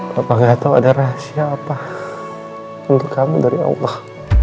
bapak gak tau ada rahasia apa untuk kamu dari allah